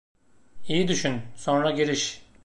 İyi düşün sonra giriş!